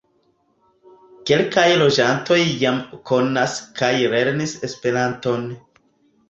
Kelkaj loĝantoj jam konas kaj lernis Esperanton.